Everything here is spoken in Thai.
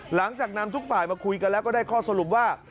หลังจากนำทุกฝ่ายมาคุยกันแล้วก็ได้ข้อสรุปว่า